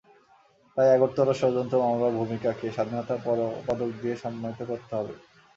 তাই আগরতলা ষড়যন্ত্র মামলার ভূমিকাকে স্বাধীনতা পদক দিয়ে সম্মানিত করতে হবে।